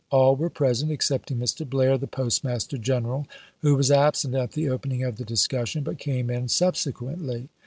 •. All were present excepting Mr. Blair, the Postmaster General, who was absent at the opening of the discussion, but came in subsequently.